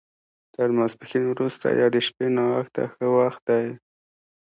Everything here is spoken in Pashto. تر ماسپښین وروسته یا د شپې ناوخته ښه وخت دی.